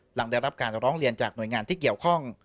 หลังได้รับการร้องเรียนจากหน่วยงานที่เกี่ยวข้อง